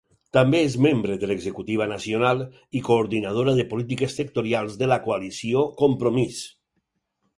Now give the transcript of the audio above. També és membre de l'executiva nacional i coordinadora de polítiques sectorials de la Coalició Compromís.